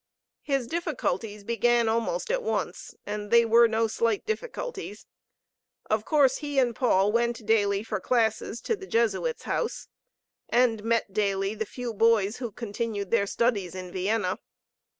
His difficulties began almost at once, and they were no slight difficulties. Of course, he and Paul went daily for classes to the Jesuits' house, and met daily the few boys who continued their studies in Vienna.